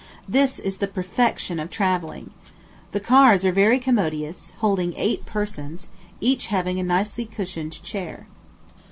This is the perfection of travelling. The cars are very commodious, holding eight persons, each having a nicely cushioned chair.